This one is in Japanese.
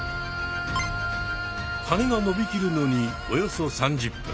はねがのびきるのにおよそ３０分。